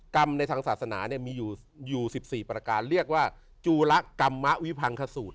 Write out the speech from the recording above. กรรมในทางศาสนาเนี่ยมีอยู่อยู่สิบสี่ประการเรียกว่าจูระกรรมะวิพังขสูตร